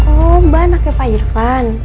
oh mbak enggak pakai pak irvan